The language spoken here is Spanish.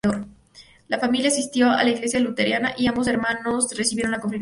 La familia asistía a la iglesia luterana y ambos hermanos recibieron la confirmación.